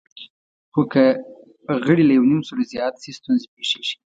خو که غړي له یونیمسلو زیات شي، ستونزې پېښېږي.